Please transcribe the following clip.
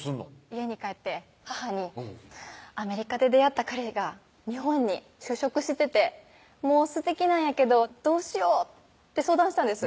家に帰って母に「アメリカで出会った彼が日本に就職しててもうすてきなんやけどどうしよう」って相談したんです